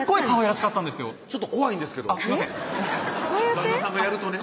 旦那さんがやるとね